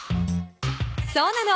そうなの。